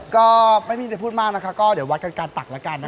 ก็ไม่มีอะไรพูดมากนะคะก็เดี๋ยววัดกันการตักแล้วกันนะคะ